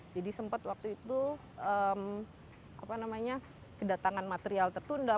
jadi sempat waktu itu kedatangan material tertunda